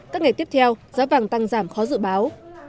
các ngày tiếp theo giá vàng tăng giảm khó dự báo